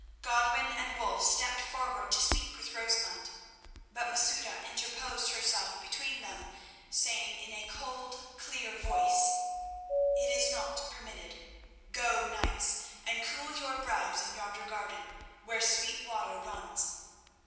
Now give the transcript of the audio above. Godwin and Wulf stepped forward to speak with Rosamund, but Masouda interposed herself between them, saying in a cold, clear voice: "It is not permitted. Go, knights, and cool your brows in yonder garden, where sweet water runs.